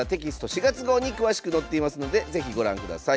４月号に詳しく載っていますので是非ご覧ください。